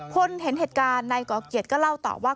คนเห็นเหตุการณ์ในก่อกเกดก็เล่าต่อว่า